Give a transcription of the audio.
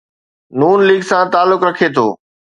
نون ليگ سان تعلق رکي ٿو.